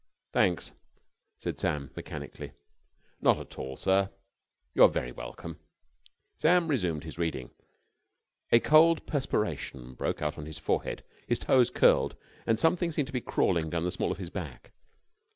"Thanks," said Sam, mechanically. "Not at all, sir. You are very welcome." Sam resumed his reading. A cold perspiration broke out on his forehead. His toes curled, and something seemed to be crawling down the small of his back.